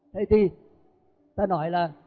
thế thì ta nói là